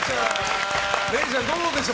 れいちゃん、どうでした？